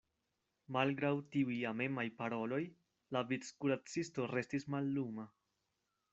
Malgraŭ tiuj amemaj paroloj, la vickuracisto restis malluma.